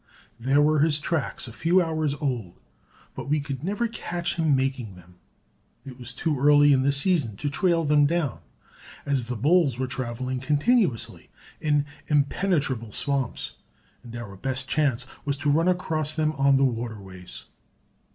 There were his tracks a few hours old but we could never catch him making them. It was too early in the season to trail them down, as the bulls were traveling continuously in impenetrable swamps, and our best chance was to run across them on the waterways.